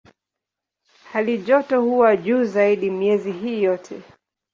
Halijoto huwa juu zaidi miezi hii yote.